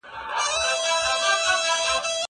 زه پرون قلم استعمالوموم وم!؟